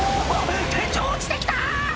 天井落ちてきた！